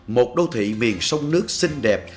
một đô thị miền sông nước xinh đẹp